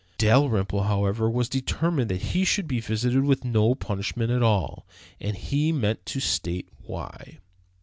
Dalrymple, however, was determined that he should be visited with no punishment at all. And he meant to state why.